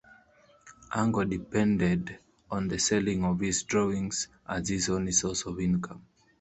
Ango depended on the selling of his drawings as his only source of income.